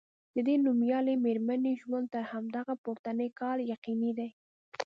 د دې نومیالۍ میرمنې ژوند تر همدغه پورتني کال یقیني دی.